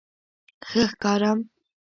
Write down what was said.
_ښه ښکارم؟